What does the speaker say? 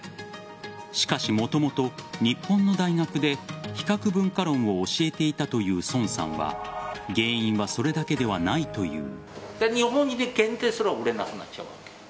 しかし、もともと日本の大学で比較文化論を教えていたという孫さんは原因はそれだけではないという。